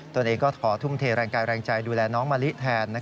ตัวเองก็ขอทุ่มเทแรงกายแรงใจดูแลน้องมะลิแทน